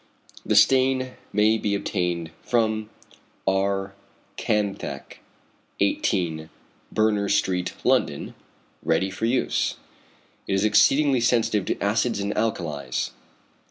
The stain may be obtained from R. Kanthack, 18, Berners Street, London, ready for use. It is exceedingly sensitive to acids and alkalis.